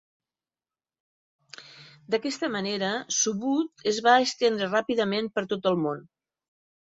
D'aquesta manera, Subud es va estendre ràpidament per tot el món.